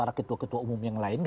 di antara ketua ketua umum yang lain